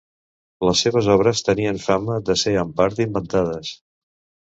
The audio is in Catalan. Les seves obres tenien fama de ser en part inventades.